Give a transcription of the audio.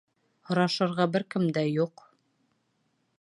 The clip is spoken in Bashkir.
Һорашырға бер кем дә юҡ.